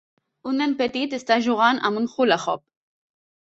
Un nen petit està jugant amb un hula hoop.